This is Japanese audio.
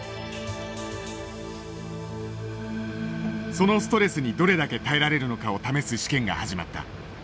そのストレスにどれだけ耐えられるのかを試す試験が始まった。